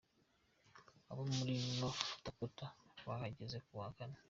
Abo muri North Dakota bahageze kuwa Kane.